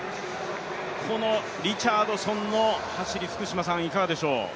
このリチャードソンの走り、福島さん、いかがでしょう？